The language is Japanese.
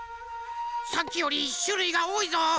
さっきよりしゅるいがおおいぞ。